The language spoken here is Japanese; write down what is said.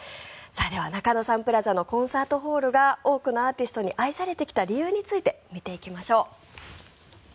では中野サンプラザのコンサートホールが多くのアーティストに愛されてきた理由について見ていきましょう。